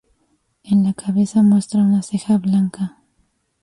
En la cabeza muestra una ceja blanca.